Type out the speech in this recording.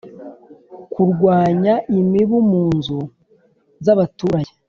kurwanya imibu mu nzu z'abaturage.